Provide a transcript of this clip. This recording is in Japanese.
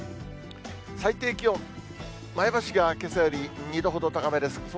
最低気温、前橋がけさより２度ほど高めです。